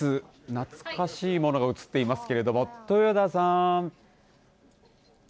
懐かしいものが映っていますけれども豊田さん。